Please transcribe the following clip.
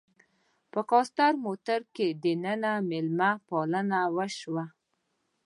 په کاسټر موټر کې دننه میلمه پالنه شوه.